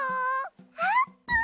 あーぷん！